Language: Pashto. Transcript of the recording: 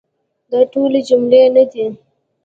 دا ټولي جملې نه دي .